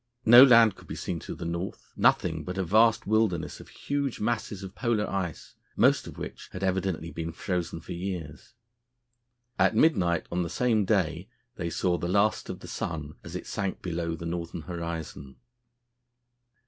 No land could be seen to the north; nothing but a vast wilderness of huge masses of Polar ice, most of which had evidently been frozen for years. At midnight on the same day they saw the last of the sun as it sank below the northern horizon.